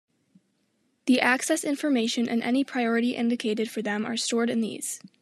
The access information and any priority indicated for them are stored in these.